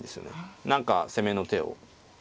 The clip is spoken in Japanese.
何か攻めの手を。